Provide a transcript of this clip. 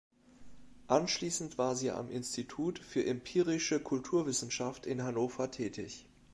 Anschließend war sie am Institut für Empirische Kulturwissenschaft in Hannover tätig.